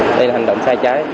đây là hành động sai trái